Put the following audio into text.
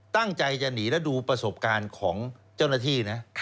ตั้งใจจะหนีและดูประสบการณ์ของเจ้าหน้าที่นะ